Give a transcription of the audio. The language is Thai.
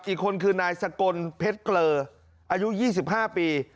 อีกคนคือนายสกลเพชรเกลออายุ๒๕ปี